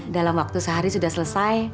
dalam waktu sehari sudah selesai